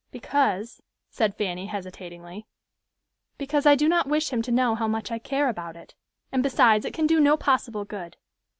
"Because," said Fanny, hesitatingly, "because I do not wish him to know how much I care about it; and besides, it can do no possible good.